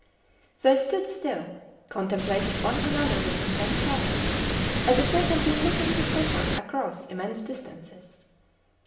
They stood still, contemplating one another with intense eyes, as if they had been looking with effort across immense distances.